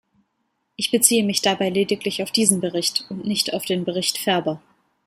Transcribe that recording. Ich beziehe mich dabei lediglich auf diesen Bericht, und nicht auf den Bericht Ferber.